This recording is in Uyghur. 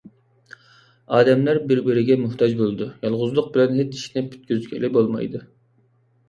ئادەملەر بىر - بىرىگە موھتاج بولىدۇ. يالغۇزلۇق بىلەن ھېچ ئىشنى پۈتكۈزگىلى بولمايدۇ.